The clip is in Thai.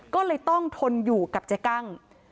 ก็เลยต้องทนอยู่กับเจ๊กั้ง